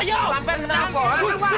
aku yang cintakan